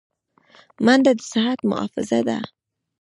منډه د صحت محافظه ده